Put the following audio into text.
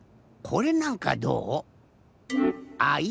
これなんかどう？